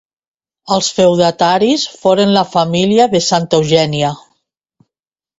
Els feudataris foren la família de Santa Eugènia.